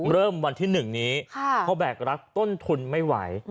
เริ่มวันที่๑นี้เขาแบกรักต้นทุนไม่ไหว